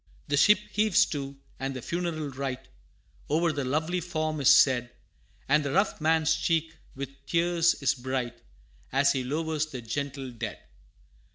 The ship heaves to, and the funeral rite, O'er the lovely form is said, And the rough man's cheek with tears is bright, As he lowers the gentle dead.